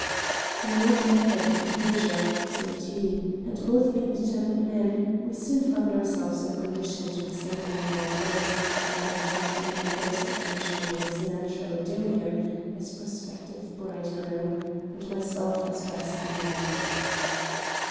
I made an effort at composure, so did he; and both being determined men, we soon found ourselves in a condition to descend among our friends without attracting any closer attention than was naturally due him as prospective bridegroom and myself as best man.